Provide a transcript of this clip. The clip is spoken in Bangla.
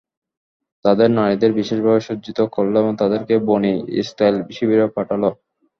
তাদের নারীদের বিশেষভাবে সজ্জিত করল এবং তাদেরকে বনী ইসরাঈল শিবিরে পাঠাল।